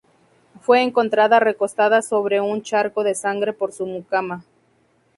Fue encontrada recostada sobre un charco de sangre por su mucama.